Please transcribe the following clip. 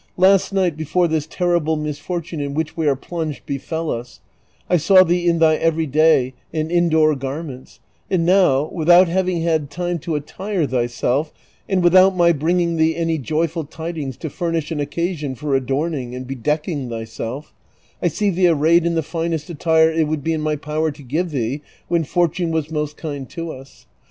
Last niglit, before this terrible misfortune in which we are plunged befell us, I saw thee in tliy every day and indoor garments ; and now, without having had time to attire thyself, and without my bringing thee any joyful tidings to furnish an occasion for adorning and bedecking thyself, I see tliee arrayed in the finest attire it would be in my power to give thee when fortune was most kind to us.